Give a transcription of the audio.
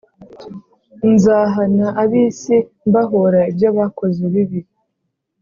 Nzahana ab isi mbahora ibyo bakoze bibi